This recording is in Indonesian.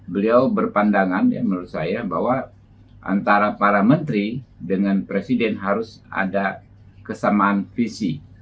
beliau berpandangan ya menurut saya bahwa antara para menteri dengan presiden harus ada kesamaan visi